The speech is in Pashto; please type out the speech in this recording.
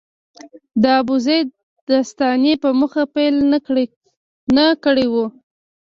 د ابوزید د ستاینې په موخه پيل نه کړی و.